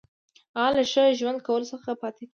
هغه له ښه ژوند کولو څخه پاتې کیږي.